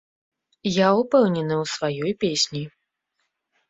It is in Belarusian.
Я ўпэўнены ў сваёй песні.